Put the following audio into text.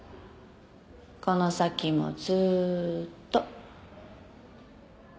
この先もずーっと。